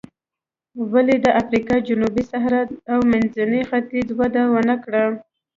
ولې د افریقا جنوبي صحرا او منځني ختیځ وده ونه کړه.